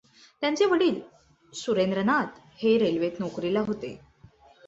त्यांचे वडील सुरेंद्रनाथ हे रेल्वेत नोकरीला होते.